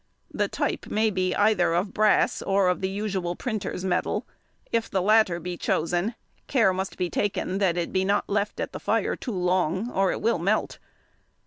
The type may be either of brass or of the usual printer's metal; if the latter be chosen, care must be taken that it be not left at the fire too long, or it will melt.